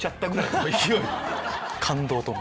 感動と。